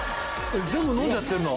全部のんじゃってるの？